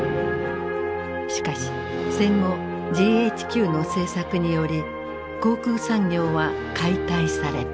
しかし戦後ＧＨＱの政策により航空産業は解体された。